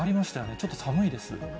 ちょっと寒いです。